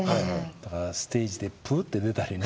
だからステージでプッて出たりね。